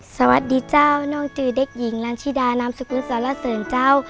สวัสดีเจ้าน้องจือเด็กหญิงลันชิดานามสกุลสารเสริญเจ้า